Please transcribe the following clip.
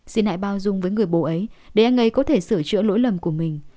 xin hãy bao dung với người bố ấy để anh ấy có thể sửa chữa lỗi lầm của mình